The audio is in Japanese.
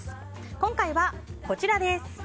今回はこちらです。